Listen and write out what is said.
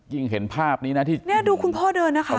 ยิ่งเห็นภาพนี้นะนี่ดูคุณพ่อเดินนะคะ